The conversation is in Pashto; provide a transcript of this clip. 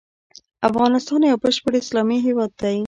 افغانستان يو بشپړ اسلامي هيواد دی.